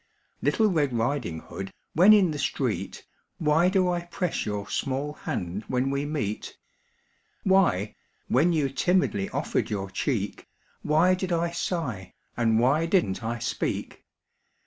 Little Red Riding Hood, when in the street, Why do I press your small hand when we meet? Why, when you timidly offered your cheek, Why did I sigh, and why didn't I speak?